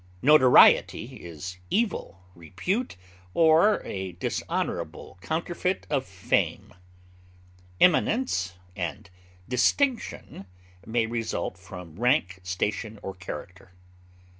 Notoriety is evil repute or a dishonorable counterfeit of fame. Eminence and distinction may result from rank, station, or character.